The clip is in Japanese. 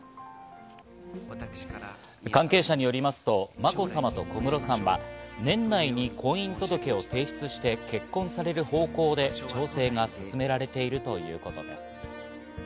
関係者によりますと、まこさまと小室さんは年内に婚姻届を提出して、結婚される方向で調整が進められているということです。